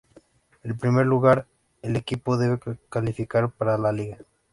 En primer lugar, el equipo debe calificar para la Liga.